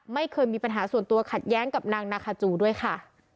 ไม่เคยมีปัญหาส่วนตัวขัดแย้งกับนางนาคาจูด้วยค่ะ